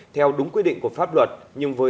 theo đúng quy định của pháp luật nhưng với